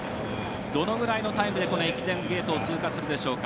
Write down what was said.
どのぐらいのタイムで駅伝ゲートを通過するでしょうか。